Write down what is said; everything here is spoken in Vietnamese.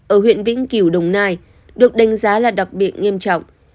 ở huyện vĩnh kiểu đồng nai được đánh giá là đặc biệt nghiêm trọng